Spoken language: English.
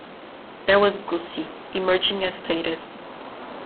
There was Gussie, emerging as stated.